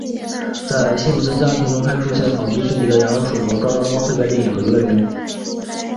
在辛普森家庭中还出现仿迪士尼的痒痒鼠与抓抓猫黑白电影和游乐园。